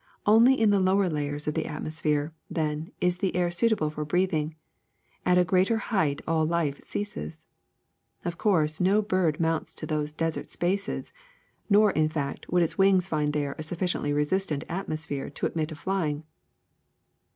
Only in the lower layers of the atmos phere, then, is the air suitable for breathing; at a greater height all life ceases. Of course no bird mounts to those desert spaces; nor, in fact, would its wings find there a sufficiently resistant atmos phere to admit of flying.